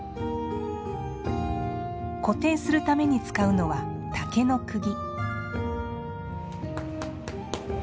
固定するために使うのは竹のくぎ。